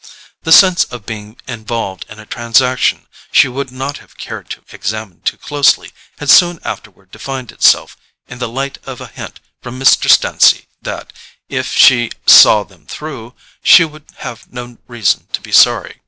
The sense of being involved in a transaction she would not have cared to examine too closely had soon afterward defined itself in the light of a hint from Mr. Stancy that, if she "saw them through," she would have no reason to be sorry.